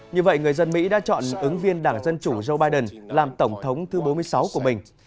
như vậy người dân mỹ đã chọn ứng viên đảng dân chủ joe biden làm tổng thống thứ bốn mươi sáu của mình